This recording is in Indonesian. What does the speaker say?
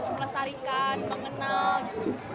melestarikan mengenal gitu